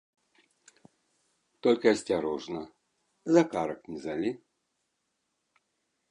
Толькі асцярожна, за карак не залі.